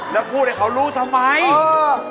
แล้วพูดให้เขารู้ทำไมเออ